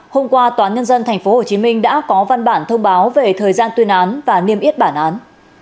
hôm qua tnthh đã có văn bản thông báo về thời gian tuyên án và niêm yết bản án